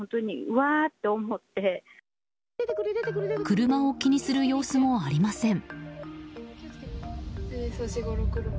車を気にする様子もありません。